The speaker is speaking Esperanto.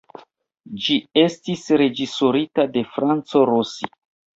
Ĝi estis reĝisorita de Franco Rossi.